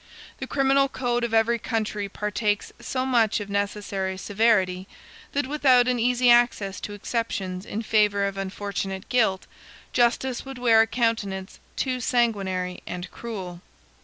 The criminal code of every country partakes so much of necessary severity, that without an easy access to exceptions in favor of unfortunate guilt, justice would wear a countenance too sanguinary and cruel.